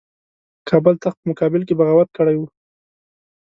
کابل تخت په مقابل کې بغاوت کړی وو.